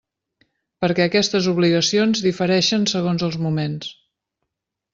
Perquè aquestes obligacions difereixen segons els moments.